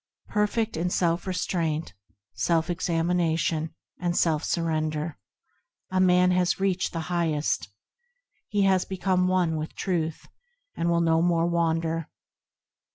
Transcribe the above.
Perfect in self restraint, self examination and self surrender. A man has reached the Highest; He has become one with Truth, and will no more wander.